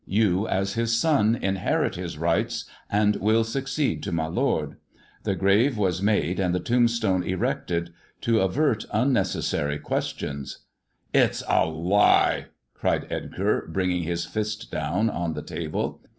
You, as his son, inherit his rights, and will succeed to my lord. The grave was made, and the tombstone erected, to avert unnecessary questions." It's a lie !" cried Edgar, bringing his fist down on the table.